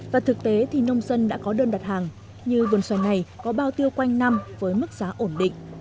và thực tế thì nông dân đã có đơn đặt hàng như vườn xoài này có bao tiêu quanh năm với mức giá ổn định